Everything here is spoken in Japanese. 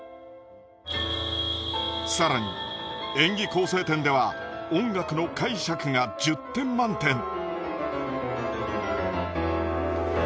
更に演技構成点では音楽の解釈が１０点満点！